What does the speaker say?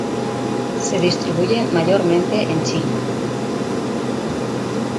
Se distribuye mayormente en Chile.